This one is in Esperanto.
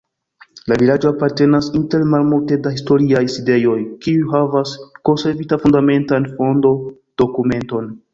La vilaĝo apartenas inter malmulte da historiaj sidejoj, kiuj havas konservita fundamentan fondo-dokumenton.